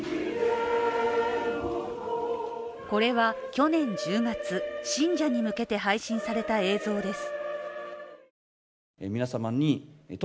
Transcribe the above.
これは去年１０月信者に向けて、配信された映像です。